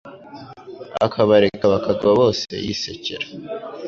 akabareka bakagwa bose yi sekera